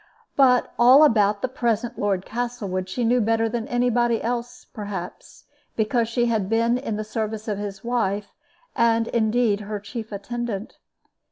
But all about the present Lord Castlewood she knew better than any body else, perhaps, because she had been in the service of his wife, and, indeed, her chief attendant.